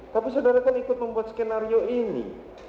tapi saudara kan ikut membuat skenario ini